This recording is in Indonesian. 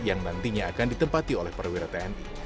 yang nantinya akan ditempati oleh perwira tni